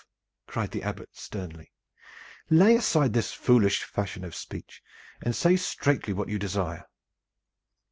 cried the Abbot sternly. "Lay aside this foolish fashion of speech and say straitly what you desire."